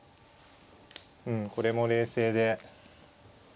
うんこれも冷静で。